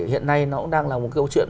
hiện nay nó cũng đang là một câu chuyện